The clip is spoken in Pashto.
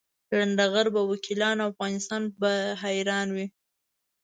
لنډه غر به وکیلان او افغانستان به حیران وي.